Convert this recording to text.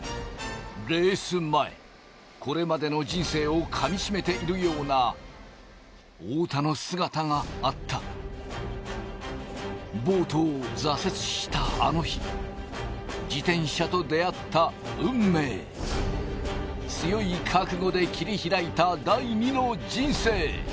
レース前これまでの人生をかみしめているような太田の姿があったボートを挫折したあの日自転車と出合った運命強い覚悟で切り開いた第２の人生